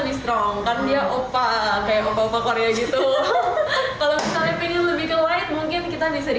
lebih strong kan dia opa opa korea gitu kalau misalnya lebih ke light mungkin kita bisa di